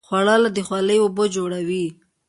خوړل د خولې اوبه جوړوي